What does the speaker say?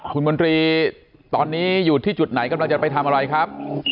คุณมนตรีตอนนี้อยู่ที่จุดไหนกำลังจะไปทำอะไรครับ